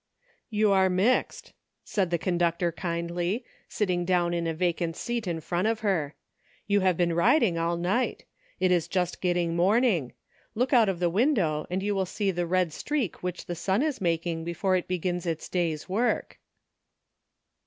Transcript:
" You are mixed," said the conductor kindly, sitting down in a vacant seat in front of her ; "you have been riding all night. It is just getting morning. Look out of the window and you will see the red streak which the sun is making before it begins its day's work."